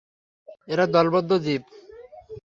এরা দলবদ্ধ জীব।